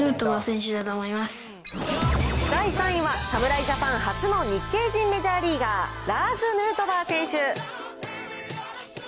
第３位は、侍ジャパン初の日系人メジャーリーガー、ラーズ・ヌートバー選手。